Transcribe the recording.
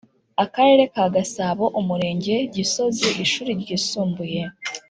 Akarere ka gasabo umurenge gisozi ishuri ryisumbuye